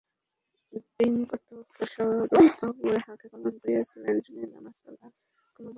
দিনকতক স্বরূপবাবু তাহাকে পালন করিয়াছিলেন, শুনিলাম আজকাল আর কোনো বাবুর আশ্রয়ে আছে।